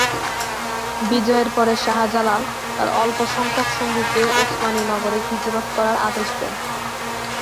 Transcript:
বিজয়ের পরে শাহ জালাল তার অল্প সংখ্যক সঙ্গীকে ওসমানী নগরে হিজরত করার আদেশ দেন।